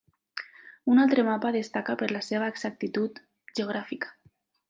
Un altre mapa destaca per la seva exactitud geogràfica.